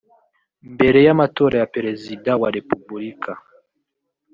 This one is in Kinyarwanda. mbere y’amatora ya Perezida wa Repubulika